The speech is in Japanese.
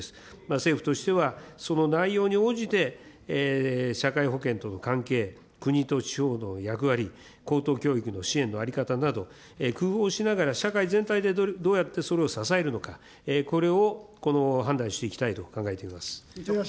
政府としては、その内容に応じて、社会保険との関係、国と地方の役割、高等教育の支援の在り方など、工夫をしながら社会全体で、どうやってそれを支えるのか、これを判断していきたいと考えています。